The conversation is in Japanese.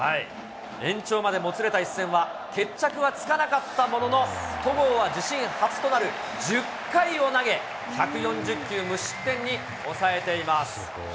延長までもつれた一戦は決着はつかなかったものの、戸郷は自身初となる１０回を投げ、１４０球無失点に抑えています。